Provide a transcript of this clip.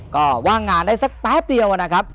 ก็ว่างงานได้สักแป๊บเดียวนะครับ